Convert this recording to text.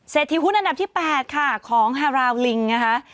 เศรษฐีหุ้นอันดับที่๘ค่ะของฮาราวลิงนะคะ